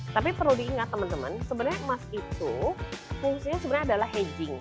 tapi perlu diingat teman teman sebenarnya emas itu fungsinya sebenarnya adalah hedging